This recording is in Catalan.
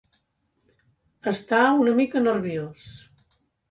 Està una mica nerviós.